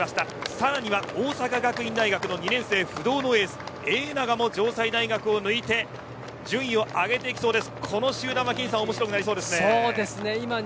さらには大阪学院大学の２年生、不動のエース永長も城西大学を抜いて順位を上げていきそうです。